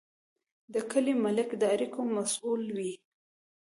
د کلي ملک د اړیکو مسوول وي.